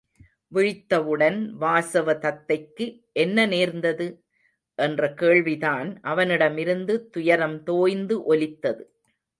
விழித்தவுடன், வாசவ தத்தைக்கு என்ன நேர்ந்தது? என்ற கேள்விதான் அவனிடமிருந்து துயரம் தோய்ந்து ஒலித்தது.